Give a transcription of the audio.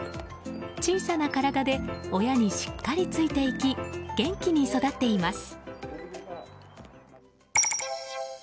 小さな体で親にしっかりついていき元気に育っています。